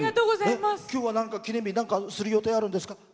きょうは記念日なんかする予定があるんですか？